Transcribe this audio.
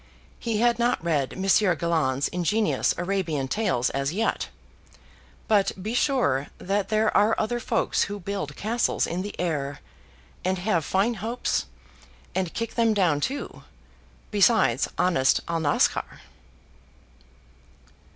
He had not read Monsieur Galland's ingenious Arabian tales as yet; but be sure that there are other folks who build castles in the air, and have fine hopes, and kick them down too, besides honest Alnaschar.